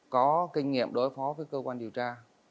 có kinh nghiệm đối phó với cơ quan điều tra